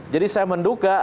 jadi saya menduga